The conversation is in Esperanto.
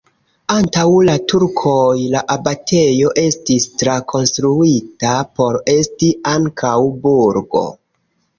Antaŭ la turkoj la abatejo estis trakonstruita por esti ankaŭ burgo.